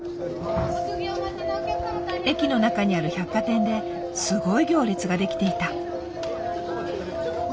駅の中にある百貨店ですごい行列が出来ていた。